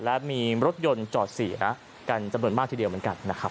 และมีรถยนต์จอดเสียกันจำนวนมากทีเดียวเหมือนกันนะครับ